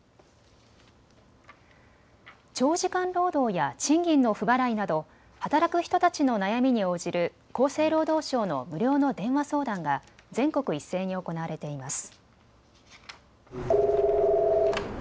長時間労働や賃金の不払いなど働く人たちの悩みに応じる厚生労働省の無料の電話相談が全国一斉に行われています。